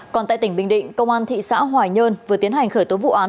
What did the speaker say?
còn tại tỉnh bình định công an thị xã hoài nhơn vừa tiến hành khởi tố vụ án